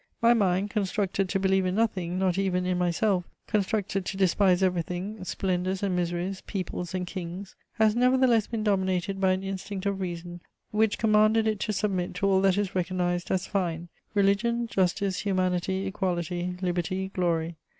My mind, constructed to believe in nothing, not even in myself, constructed to despise everything, splendours and miseries, peoples and kings, has nevertheless been dominated by an instinct of reason which commanded it to submit to all that is recognised as fine: religion, justice, humanity, equality, liberty, glory.